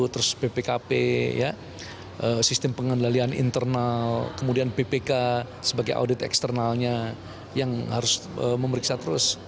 terus bpkp sistem pengendalian internal kemudian bpk sebagai audit eksternalnya yang harus memeriksa terus